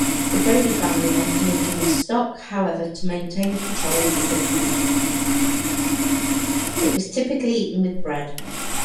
It was typically eaten with bread.